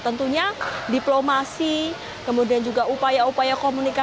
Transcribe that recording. tentunya diplomasi kemudian juga upaya upaya komunikasi